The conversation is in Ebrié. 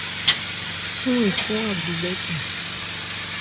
Ɔ́n efɔ́n adubhɛ́ ncɔn.